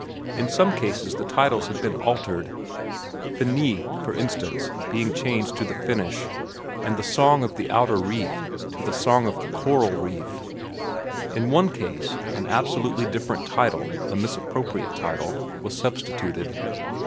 In some cases the titles had been altered: "Finis," for instance, being changed to "The Finish," and "The Song of the Outer Reef" to "The Song of the Coral Reef." In one case, an absolutely different title, a misappropriate title, was substituted.